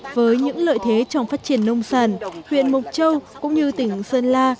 với những lợi thế trong phát triển nông sản huyện mộc châu cũng như tỉnh sơn la